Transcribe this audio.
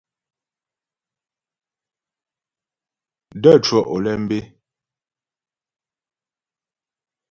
N də̂ cwə́ Olémbé.